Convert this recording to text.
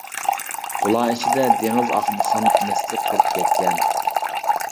بۇلار ئىچىدە دېڭىز ئاغمىخان نەسلى قۇرۇپ كەتكەن.